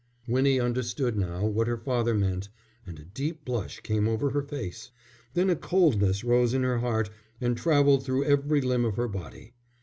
Winnie understood now what her father meant, and a deep blush came over her face. Then a coldness rose in her heart and travelled through every limb of her body.